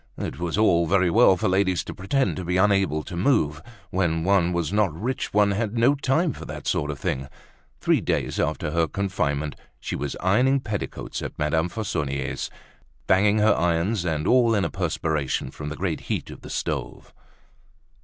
It was all very well for ladies to pretend to be unable to move. When one was not rich one had no time for that sort of thing. Three days after her confinement she was ironing petticoats at Madame Fauconnier's, banging her irons and all in a perspiration from the great heat of the stove.